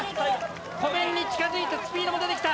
湖面に近づいてスピードも出てきた。